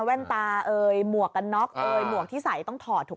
แว่นตาเอ่ยหมวกกันน็อกเอ่ยหมวกที่ใส่ต้องถอดถูก